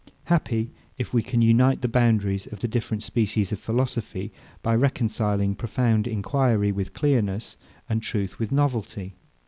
Happy, if we can unite the boundaries of the different species of philosophy, by reconciling profound enquiry with clearness, and truth with novelty!